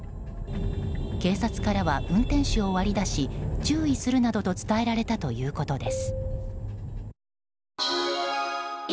警察からは運転手を割り出し注意するなどと伝えられたということです。